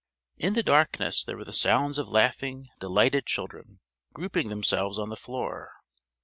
In the darkness there were the sounds of laughing delighted children grouping themselves on the floor.